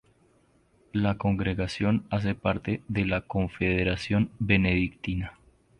La congregación hace parte de la Confederación Benedictina.